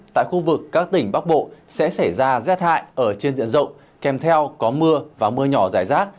tại khu vực các tỉnh bắc bộ sẽ xảy ra rét hại ở trên diện rộng kèm theo có mưa và mưa nhỏ rải rác